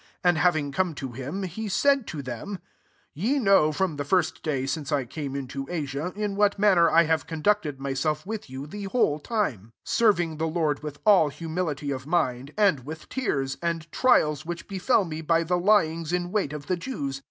18 And having come to him, he said to them, " Ye know, from the first day since I came into Asia, in what manner I have conducted myself with you the whole time; 19 serving the Lord with all humility of mind, and with tears, and trials which befel me by the lyings in wait of the Jews: 9.